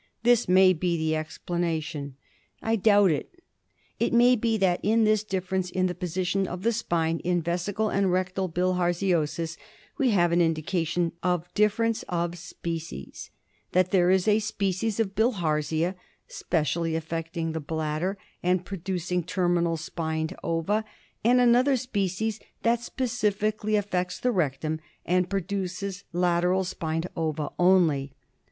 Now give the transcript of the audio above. This may be the explanation. I doubt it. It may be that in this difference in the position of the spine in vesical and rectal bilharziosis we have an indication of difference of species ; that there is a species of Bilharzia specially affecting the bladder and producing terminal spined ova, and another species that specially affects the rectum and produces lateral spined ova only.